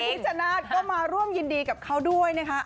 เน้นที่จนาจก็มาร่วมยืนดีกับเขาด้วยนะคะ